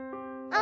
「あ！」